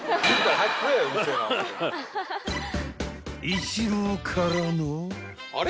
［イチローからの］